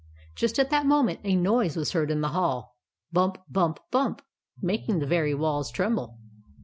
Just at that moment a noise was heard in the hall, — bump ! bump ! bump I making the very walls tremble.